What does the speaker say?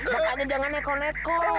makanya jangan nekonek